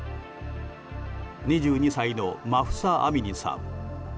２２歳のマフサ・アミニさん。